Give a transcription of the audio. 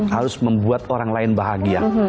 harus membuat orang lain bahagia